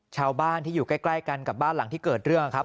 ชาวบ้านที่อยู่ใกล้กันกับบ้านหลังที่เกิดเรื่องครับ